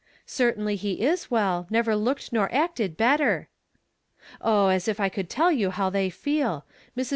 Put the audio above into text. "Certainly lu; is well; never looked nor acted better." " Oh, as if I could tell you how they feel ! Mi's.